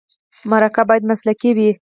مرکه باید مسلکي وي.